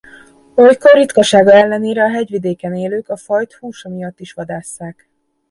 Olykor ritkasága ellenére a hegyvidéken élők a fajt húsa miatt is vadásszák.